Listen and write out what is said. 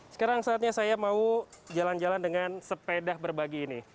sekarang saatnya saya mau jalan jalan dengan sepeda berbagi ini